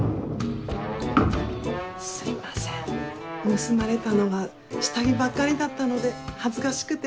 すいません盗まれたのが下着ばっかりだったので恥ずかしくて。